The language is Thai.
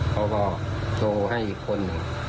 พอโทรให้คน